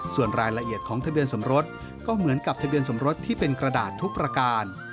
ส่วนรายละเอียดของทะเบียนสมรสก็เหมือนกับทะเบียนสมรสที่เป็นกระดาษทุกประการ